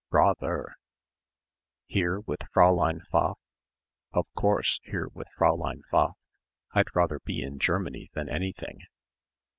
"Rather." "Here, with Fräulein Pfaff?" "Of course, here with Fräulein Pfaff. I'd rather be in Germany than anything."